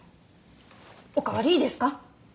お代わりいいですか？